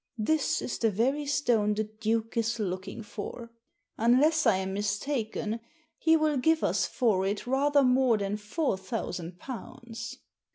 This is the very stone the Duke is looking for. Unless I am mistaken, he will give us for it rather more than four thousand pounds."